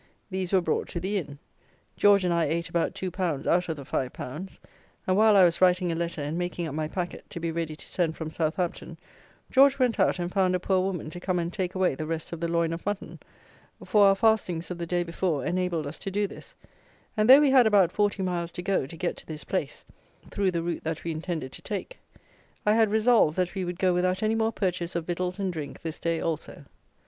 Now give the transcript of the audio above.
These were brought to the inn; George and I ate about 2lb. out of the 5lb., and, while I was writing a letter, and making up my packet, to be ready to send from Southampton, George went out and found a poor woman to come and take away the rest of the loin of mutton; for our fastings of the day before enabled us to do this; and, though we had about forty miles to go, to get to this place (through the route that we intended to take), I had resolved, that we would go without any more purchase of victuals and drink this day also.